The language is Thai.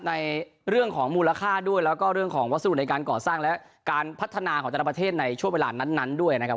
ในเรื่องของมูลค่าด้วยแล้วก็เรื่องของวัสดุในการก่อสร้างและการพัฒนาของแต่ละประเทศในช่วงเวลานั้นด้วยนะครับ